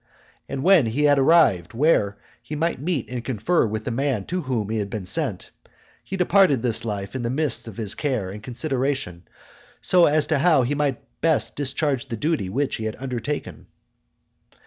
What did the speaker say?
And when he had arrived where he might meet and confer with the man to whom he had been sent, he departed this life in the midst of his care and consideration as to how he might best discharge the duty which he had undertaken.